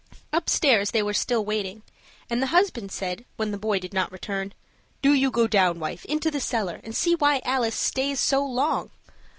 Upstairs they were still waiting, and the husband said, when the boy did not return, "Do you go down, wife, into the cellar and see why Alice stays so long."